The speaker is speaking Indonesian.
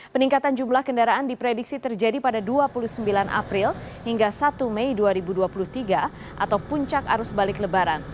peningkatan jumlah kendaraan diprediksi terjadi pada dua puluh sembilan april hingga satu mei dua ribu dua puluh tiga atau puncak arus balik lebaran